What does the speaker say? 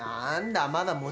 何だ。